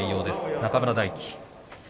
中村泰輝